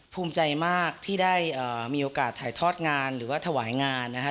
ภูมิใจมากที่ได้มีโอกาสถ่ายทอดงานหรือว่าถวายงานนะฮะ